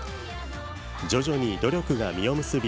徐々に努力が実を結び